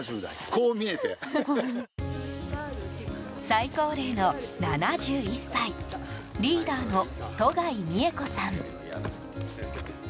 最高齢の７１歳リーダーの戸貝美枝子さん。